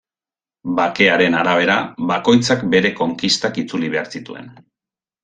Bake haren arabera, bakoitzak bere konkistak itzuli behar zituen.